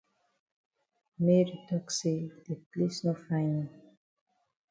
Mary tok say de place no fine yi.